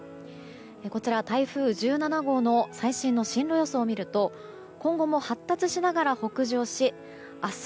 こちら台風１７号の最新の進路予想を見ると今後も発達しながら北上し明日